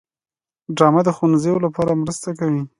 ډرامه د ښوونځیو لپاره مرسته کوي